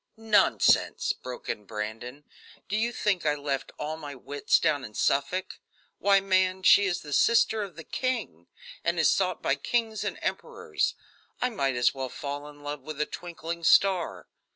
"Nonsense!" broke in Brandon. "Do you think I left all my wits down in Suffolk? Why, man, she is the sister of the king, and is sought by kings and emperors. I might as well fall in love with a twinkling star.